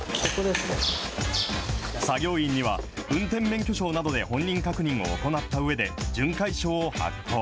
作業員には、運転免許証などで本人確認を行ったうえで、巡回証を発行。